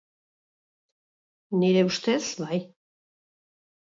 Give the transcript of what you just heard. Nire ustez, bai.